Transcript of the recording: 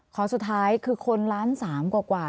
ของสุดท้ายคือคน๑๓ล้านกว่า